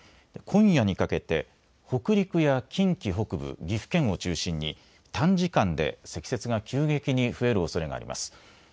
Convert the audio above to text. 今夜にかけて北陸や近畿北部、岐阜県を中心に短時間で積雪が急激に増えるおそれがあります。